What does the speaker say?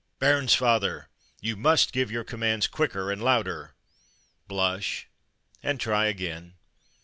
"Bairnsfather! you must give your commands quicker and louder." Blush, and try again.